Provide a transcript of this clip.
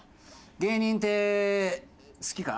芸人って好きか？